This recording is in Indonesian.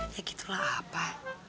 ya gitu lah apa